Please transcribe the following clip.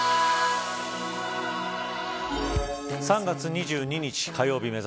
３月２２日火曜日